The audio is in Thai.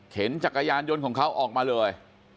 จักรยานยนต์ของเขาออกมาเลย